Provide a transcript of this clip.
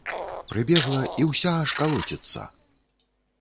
Прыбегла, і ўся аж калоціцца.